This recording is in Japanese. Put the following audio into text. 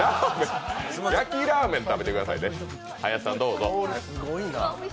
焼ラーメンを食べてくださいね。